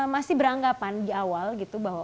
masih beranggapan di awal gitu bahwa